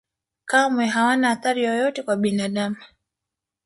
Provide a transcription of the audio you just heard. kamwe hawana athari yoyote kwa binadamu